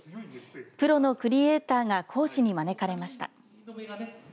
プロのクリエイターが講師に招かれました。